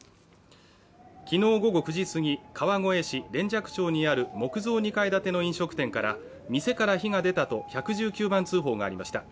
昨日午後９時過ぎ川越市連雀町にある木造２階建ての飲食店から店から火が出たと１１９番通報がありました